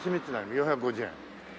４５０円。